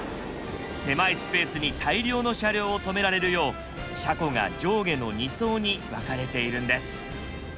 狭いスペースに大量の車両を止められるよう車庫が上下の２層に分かれているんです。